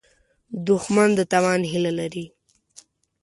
دښمن د تاوان هیله لري